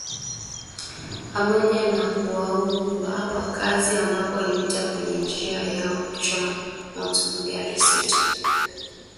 pamoja na kuwaua wakaazi ambapo walipita kwenye njia yao na kuchoma moto magari sita